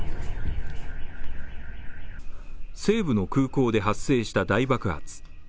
西部の空港で発生した大爆発。